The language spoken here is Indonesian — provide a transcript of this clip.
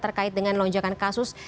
terkait dengan lonjakan kasus